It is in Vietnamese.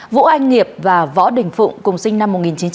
vũ anh nghiệp và võ đình phụng cùng sinh năm một nghìn chín trăm tám mươi